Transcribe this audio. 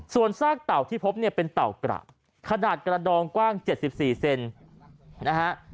ส่วนซากเต่าที่พบเนี่ยเป็นเต่ากระขนาดกระดองกว้าง๗๔เซนนะฮะ